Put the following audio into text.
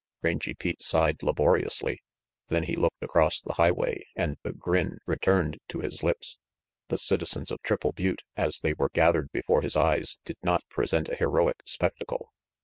Rangy Pete sighed laboriously; then he looked across the highway and the grin returned to his lips. The citizens of Triple Butte, as they were gathered before his eyes, did not present a heroic spectacle.